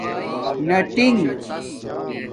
نٹَنک